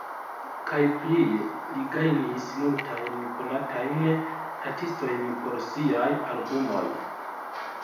Kaj plie li gajnis multajn konatajn artistojn por siaj albumoj.